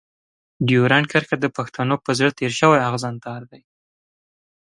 ډيورنډ کرښه د پښتنو په زړه تېر شوی اغزن تار دی.